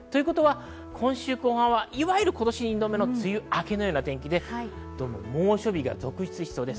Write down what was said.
今週後半はいわゆる今年２度目の梅雨明けのような天気で猛暑日が続出しそうです。